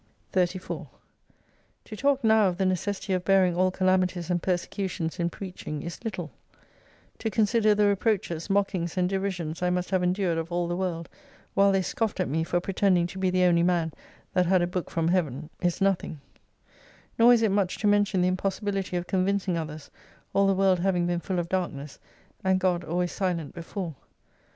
34 To talk now of the necessity of bearing all calamities and persecutions in preaching is little ; to consider the reproaches, mockings and derisions I must have endured of all the world, while they scoffed at me for pretending to be the only man that had a Book from Heaven is nothing : nor is it much to mention the im possibility of convincing others, all the world having been full of darkness, and God always silent before.